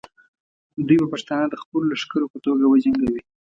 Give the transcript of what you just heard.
دوی به پښتانه د خپلو لښکرو په توګه وجنګوي.